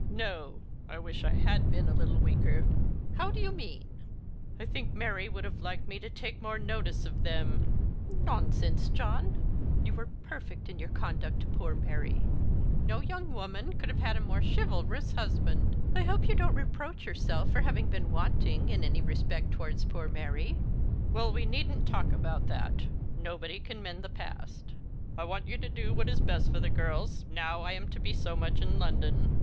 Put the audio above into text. " No ; I wish I had been a little weaker." " How do you mean ?" "I think Mary would have liked me to take more notice of them." " Nonsense, John ; you were perfect in your conduct to poor 3Iary. No young woman could have had a more chivalrous husband. I hope you don't reproach yourself for having been wanting in any respect towards poor 3Iary ?" 58 The Christmas Hirelings. " Well, we needn't talk about that. Nobody can mend the past. I want you to do what is best for the girls now I am to be so much in London.